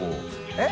えっ？